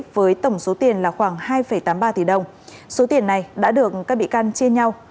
với tổng số tiền là khoảng hai tám mươi ba tỷ đồng số tiền này đã được các bị can chia nhau